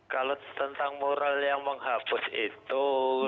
kalau tentang moral yang menghapus itu